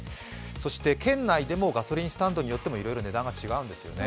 そして県内でもガソリンスタンドによっても値段が違うんですよね。